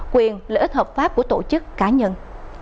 quyền lợi ích hợp pháp của tổ chức cá nhân